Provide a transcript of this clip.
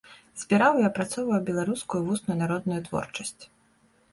Збіраў і апрацоўваў беларускую вусную народную творчасць.